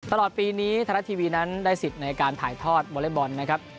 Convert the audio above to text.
ตลอดปีนี้ไทยรัฐทีวีนั้นได้สิทธิ์ในการถ่ายทอดวอเล็กบอลนะครับ